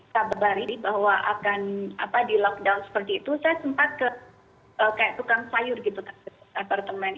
sabar ini bahwa akan di lock down seperti itu saya sempat ke kayak tukang sayur gitu ke apartemen